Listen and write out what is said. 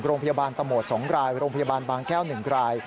โรงพยาบาลตะโมด๒รายโรงพยาบาลบางแก้ว๑ราย